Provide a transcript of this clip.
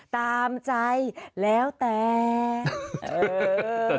ตามใจแล้วแต่